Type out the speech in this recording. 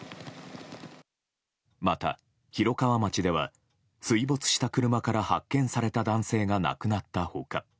また、広川町では水没した車から発見された男性が亡くなった他